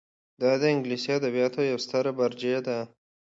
دا د انګلیسي ادبیاتو یوه ستره مرجع ده.